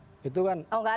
oh tidak alergi ya